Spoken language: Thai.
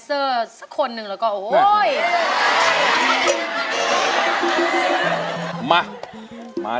ตึ้มตึ้มตึ้มอาหาร